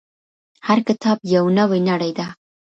هر کتاب یو نوې نړۍ ده.